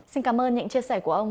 xin cảm ơn những chia sẻ của ông